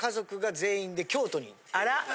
あら？